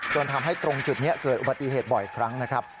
จนทำให้ตรงจุดนี้เกิดอุบัติเหตุบ่อยครั้งนะครับ